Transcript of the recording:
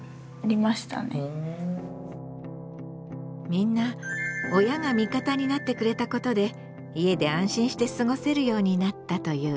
みんな親が味方になってくれたことで家で安心して過ごせるようになったという。